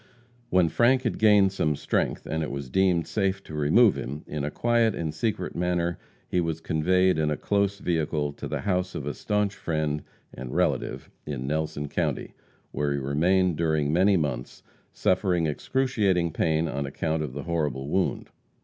When Frank had gained some strength, and it was deemed safe to remove him, in a quiet and secret manner he was conveyed in a close vehicle to the house of a staunch friend and relative in Nelson county, where he remained during many months, suffering excruciating pain on account of the horrible wound.